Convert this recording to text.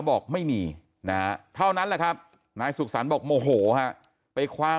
บอกไม่มีนะฮะเท่านั้นแหละครับนายสุขสรรค์บอกโมโหฮะไปคว้า